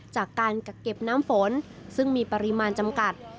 จากการกักเก็บน้ำฝนซึ่งมีปริมาณจำกัด